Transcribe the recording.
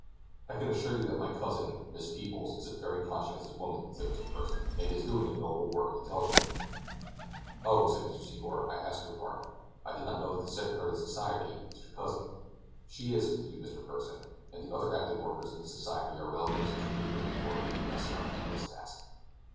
"I can assure you that my cousin, Miss Peebles, is a very conscientious woman," said Mr. Pursen, "and is doing a noble work intelligently." "Oh," said Mr. Secor; "I ask your pardon. I did not know that the secretary of the society is your cousin." "She is," continued Mr. Pursen, "and the other active workers in the society are relatives of the good women who are aiding us in our thankless task."